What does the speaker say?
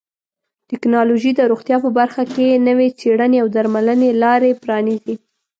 ټکنالوژي د روغتیا په برخه کې نوې څیړنې او درملنې لارې پرانیزي.